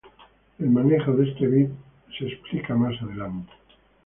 El manejo de este bit es explicado más adelante.